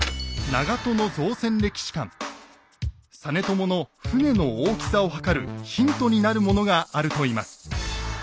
実朝の船の大きさを測るヒントになるものがあるといいます。